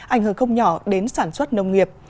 ảnh hưởng không nhỏ đến sản xuất nông nghiệp